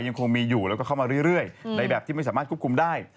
ยังคงมีอยู่แล้วก็เข้ามาเรื่อยในแบบที่ไม่สามารถควบคุมได้